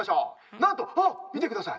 なんとあっみてください。